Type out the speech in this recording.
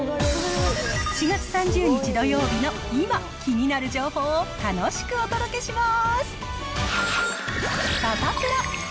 ４月３０日土曜日の今、気になる情報を楽しくお届けします。